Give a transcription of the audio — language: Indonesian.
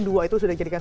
dua itu sudah dijadikan